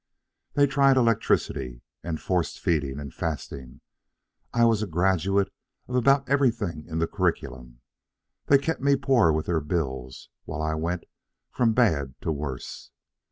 They tried electricity, and forced feeding, and fasting. I was a graduate of about everything in the curriculum. They kept me poor with their bills while I went from bad to worse.